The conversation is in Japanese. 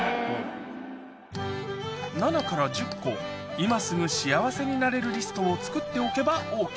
今すぐ幸せになれるリストを作っておけばＯＫ